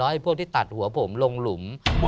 ไอ้พวกที่ตัดหัวผมลงหลุม